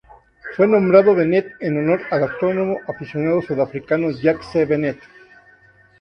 Fue nombrado Bennett en honor al astrónomo aficionado sudafricano Jack C. Bennett.